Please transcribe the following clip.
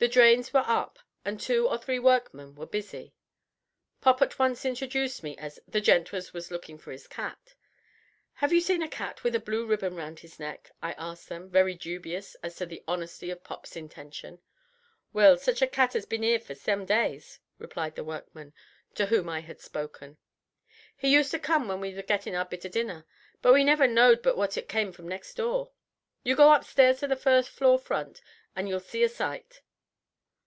The drains were up, and two or three workmen were busy. Pop at once introduced me as "the gent as was lookin' for his cat." "Have you seen a cat with a blue ribbon round his neck?" I asked them, very dubious as to the honesty of Pop's intention. "Well, sich a cat 'as bin 'ere for some days," replied the workman to whom I had spoken. "He used to come when we were gettin' our bit of dinner. But we never know'd but wot it came from next door. You go upstairs to the first floor front, and you'll see a sight."